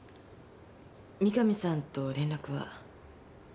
三神さんと連絡は？